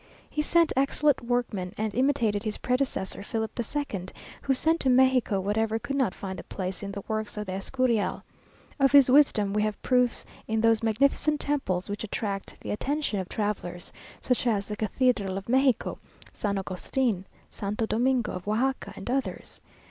He sent excellent workmen, and imitated his predecessor Philip the Second, who sent to Mexico whatever could not find a place in the works of the Escurial. Of his wisdom, we have proofs in those magnificent temples which attract the attention of travellers, such as the Cathedral of Mexico, San Agustin, Santo Domingo of Oaxaca, and others.